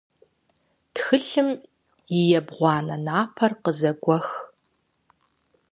Тхылъым и ебгъуанэ напэр къызэгуэх.